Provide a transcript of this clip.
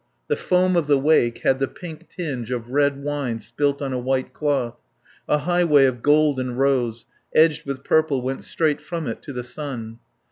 The foam of the wake had the pink tinge of red wine spilt on a white cloth; a highway of gold and rose, edged with purple, went straight from it to the sun.